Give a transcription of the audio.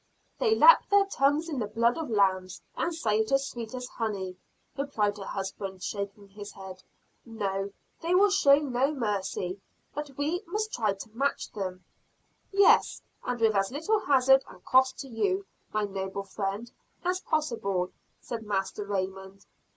"They lap their tongues in the blood of lambs, and say it is sweet as honey," replied her husband, shaking his head. "No, they will show no mercy; but we must try to match them." "Yes, and with as little hazard and cost to you, my noble friend, as possible," said Master Raymond.